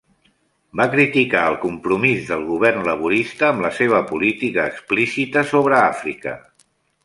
Va criticar el compromís del govern Laborista amb la seva política explícita sobre Àfrica.